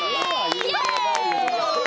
イエーイ！